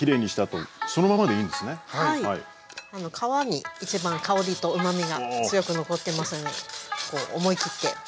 皮に一番香りとうまみが強く残ってますので思い切って。